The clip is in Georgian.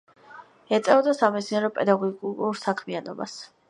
ეწეოდა სამეცნიერო-პედაგოგიურ საქმიანობას.